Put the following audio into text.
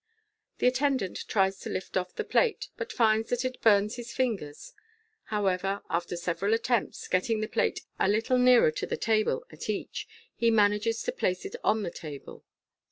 The attendant tries to lift off the plate, but finds that it burns his fingers. However, after several attempts, getting the plate a little nearer to the table at each, he manages to place it on the table.